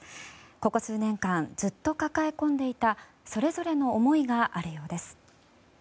ここ数年間ずっと抱え込んでいたそれぞれの思いがあるようです。